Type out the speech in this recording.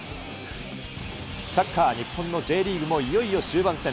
サッカー日本のＪリーグもいよいよ終盤戦。